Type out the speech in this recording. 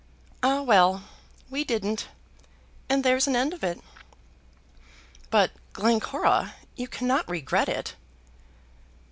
Ah, well! we didn't, and there's an end of it." "But Glencora, you cannot regret it."